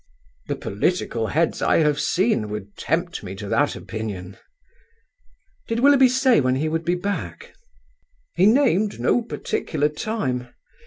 "The political heads I have seen would tempt me to that opinion." "Did Willoughby say when he would be back?" "He named no particular time.